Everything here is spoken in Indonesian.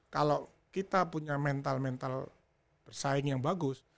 kalau kita punya mental mental bersaing yang bagus